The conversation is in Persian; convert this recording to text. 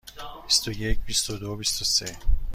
بیست و یک، بیست و دو، بیست و سه.